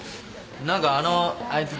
何かあのあいつ。